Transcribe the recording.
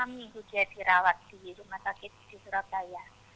enam minggu dia dirawat di rumah sakit di surabaya